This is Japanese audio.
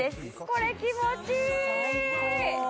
これ気持ちいい最高！